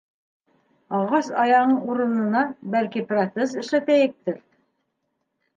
- Ағас аяғың урынына, бәлки, протез эшләтәйектер?